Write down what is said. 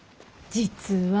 実は。